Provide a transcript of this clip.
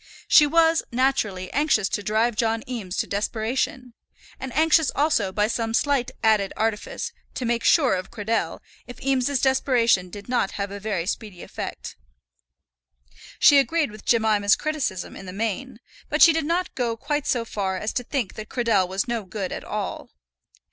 She was, naturally, anxious to drive John Eames to desperation; and anxious also, by some slight added artifice, to make sure of Cradell if Eames's desperation did not have a very speedy effect. She agreed with Jemima's criticism in the main, but she did not go quite so far as to think that Cradell was no good at all.